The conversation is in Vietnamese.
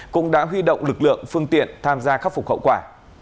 cũng đã huy động lực lượng phương tiện tham gia khắc phục hậu quả